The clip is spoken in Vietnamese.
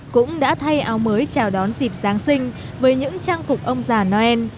cũng đã thay áo mới chào đón dịp giáng sinh với những trang phục ông già noel